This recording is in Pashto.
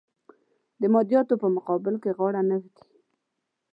د مادیاتو په مقابل کې غاړه نه ږدي.